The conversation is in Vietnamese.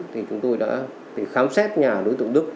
khi khám xét nhà đối tượng đức